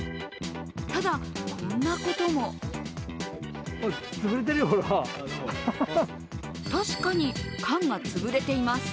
ただ、こんなことも確かに缶が潰れています。